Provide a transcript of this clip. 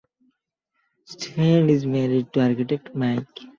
Stephanie is married to architect Mike.